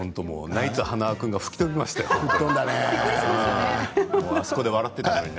ナイツの塙君が吹き飛びましたよ。